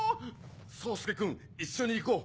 宗介くん一緒に行こう！